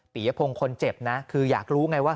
ยพงศ์คนเจ็บนะคืออยากรู้ไงว่า